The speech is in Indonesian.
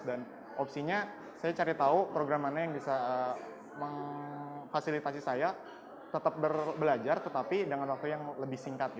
dan opsinya saya cari tahu program mana yang bisa memfasilitasi saya tetap belajar tetapi dengan waktu yang lebih singkat